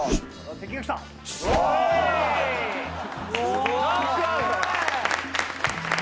すごーい！